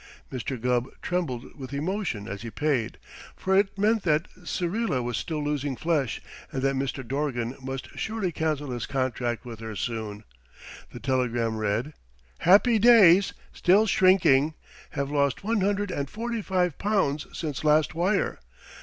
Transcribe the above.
Mr. Gubb trembled with emotion as he paid, for it meant that Syrilla was still losing flesh and that Mr. Dorgan must surely cancel his contract with her soon. The telegram read: Happy days! Still shrinking. Have lost one hundred and forty five pounds since last wire.